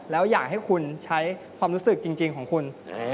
แล้วอยากให้คุณใช้ความรู้สึกจริงของคุณ